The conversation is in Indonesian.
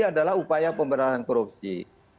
adalah upaya pemberantasan korupsi